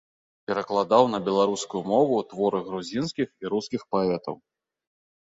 Перакладаў на беларускую мову творы грузінскіх і рускіх паэтаў.